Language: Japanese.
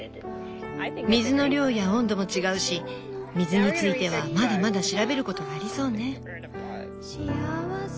水の量や温度も違うし水についてはまだまだ調べることがありそうね。